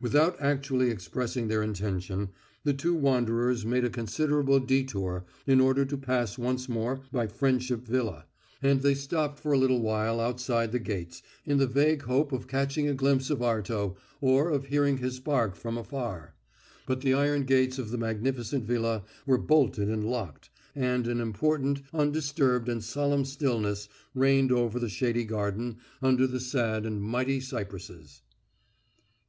Without actually expressing their intention, the two wanderers made a considerable detour in order to pass once more by Friendship Villa, and they stopped for a little while outside the gates, in the vague hope of catching a glimpse of Arto, or of hearing his bark from afar. But the iron gates of the magnificent villa were bolted and locked, and an important, undisturbed and solemn stillness reigned over the shady garden under the sad and mighty cypresses.